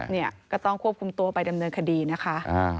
เนี่ยก็ต้องควบคุมตัวไปดำเนินคดีนะคะ